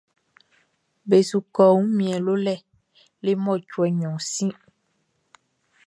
Be su kɔ wunmiɛn lolɛ le mɔcuɛ nɲɔn sin.